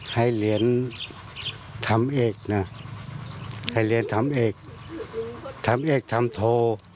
ให้เรียนทำเอกนะให้เรียนทำเอกทำเอกทำโท